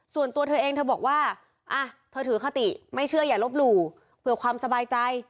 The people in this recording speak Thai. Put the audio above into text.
ส่วนตัวเธอเองเธอบอกว่าเธอถือคติไม่เชื่ออย่าลบหลู่เผื่อความสบายใจ